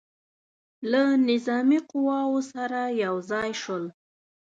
له نظامي قواوو سره یو ځای شول.